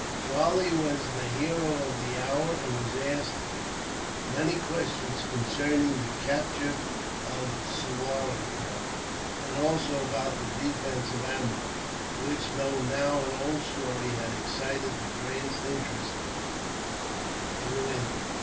Charlie was the hero of the hour, and was asked many questions concerning the capture of Suwarndrug; and also about the defence of Ambur, which, though now an old story, had excited the greatest interest through India.